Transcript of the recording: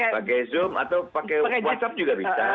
pakai zoom atau pakai whatsapp juga bisa